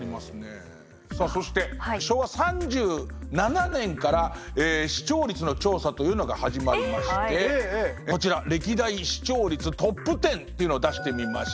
さあそして昭和３７年から視聴率の調査というのが始まりましてこちら歴代視聴率トップ１０というのを出してみました。